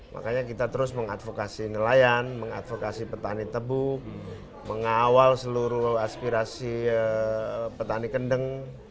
makanya kita terus mengadvokasi nelayan mengadvokasi petani tebu mengawal seluruh aspirasi petani kendeng